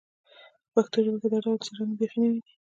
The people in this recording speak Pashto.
په پښتو ژبه کې دا ډول څېړنې بیخي نوې دي